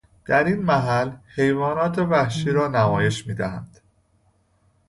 دراینمحل حیوانات وحشی رانمایش میدهند